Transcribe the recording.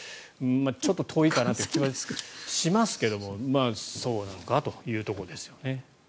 ちょっと遠いかなという気はしますけどもそうなのかなというところです。